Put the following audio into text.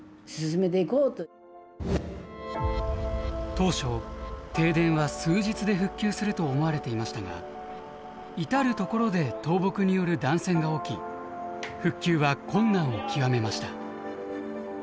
当初停電は数日で復旧すると思われていましたが至る所で倒木による断線が起き復旧は困難を極めました。